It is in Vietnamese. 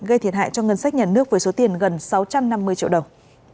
gây thiệt hại cho ngân sách nhà nước với số tiền gần sáu trăm năm mươi triệu đồng